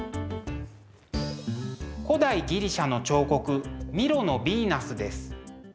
古代ギリシャの彫刻「ミロのヴィーナス」です。